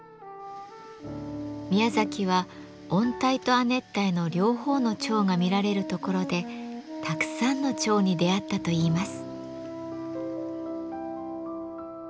宮崎は温帯と亜熱帯の両方の蝶が見られるところでたくさんの蝶に出会ったといいます。